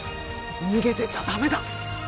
逃げてちゃダメだ！